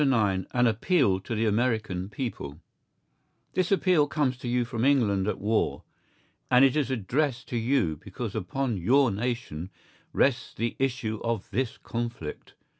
IX AN APPEAL TO THE AMERICAN PEOPLE This appeal comes to you from England at war, and it is addressed to you because upon your nation rests the issue of this conflict.